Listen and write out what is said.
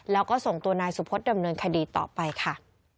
แล้วก็ส่งตัวนายสุพศดำเนินคดีต่อไปค่ะ